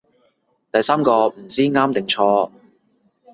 第三個唔知啱定錯